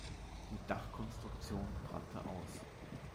Die Dachkonstruktion brannte aus.